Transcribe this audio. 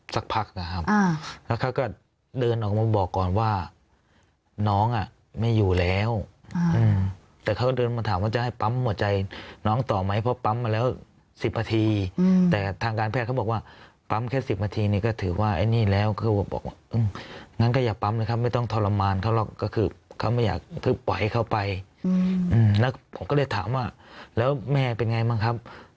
สักพักนะครับแล้วเขาก็เดินออกมาบอกก่อนว่าน้องอ่ะไม่อยู่แล้วแต่เขาก็เดินมาถามว่าจะให้ปั๊มหัวใจน้องต่อไหมเพราะปั๊มมาแล้ว๑๐นาทีแต่ทางการแพทย์เขาบอกว่าปั๊มแค่๑๐นาทีนี่ก็ถือว่าไอ้นี่แล้วเขาบอกว่างั้นก็อย่าปั๊มเลยครับไม่ต้องทรมานเขาหรอกก็คือเขาไม่อยากปล่อยเข้าไปแล้วผมก็เลยถามว่าแล้วแม่เป็นไงบ้างครับ